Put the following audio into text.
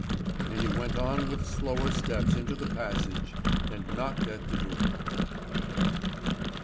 And he went on with slower steps into the passage, and knocked at the door.